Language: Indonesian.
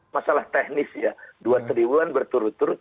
masalah teknis ya dua tribulan berturut turut